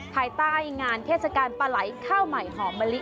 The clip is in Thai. ภายใต้งานเทศกาลปลาไหลข้าวใหม่หอมมะลิ